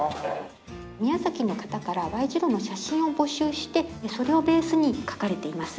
宮崎の方からＹ字路の写真を募集してそれをベースに描かれています。